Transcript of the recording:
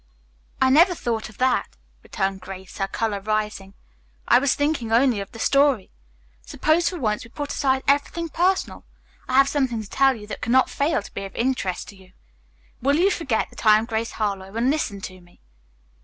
"I never thought of that," returned Grace, her color rising. "I was thinking only of the story. Suppose for once we put aside everything personal. I have something to tell you that cannot fail to be of interest to you. Will you forget that I am Grace Harlowe and listen to me?"